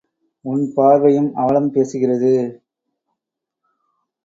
உன் பார்வையும் அவலம் பேசுகிறது.